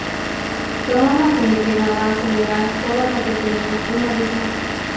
Todo lo que le quedaba acelerar todo lo que tenía, una vez más.